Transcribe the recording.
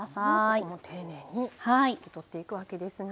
ここも丁寧に拭き取っていくわけですね。